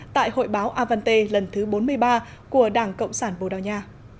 tại hội báo avante lần thứ bốn mươi ba của đảng cộng sản bồ đào nha